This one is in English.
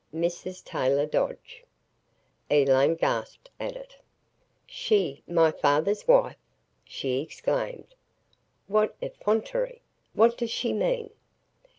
"MRS. TAYLOR DODGE." Elaine gasped at it. "She my father's wife!" she exclaimed, "What effrontery! What does she mean?"